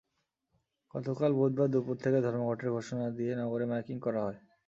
গতকাল বুধবার দুপুর থেকে ধর্মঘটের ঘোষণা দিয়ে নগরে মাইকিং করা হয়।